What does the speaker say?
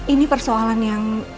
ini persoalan yang